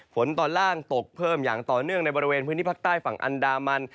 ตอนล่างตกเพิ่มอย่างต่อเนื่องในบริเวณพื้นที่ภาคใต้ฝั่งอันดามัน